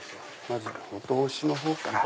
まずお通しのほうから。